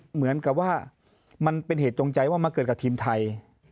เหมือนกับว่ามันเป็นเหตุจงใจว่ามาเกิดกับทีมไทย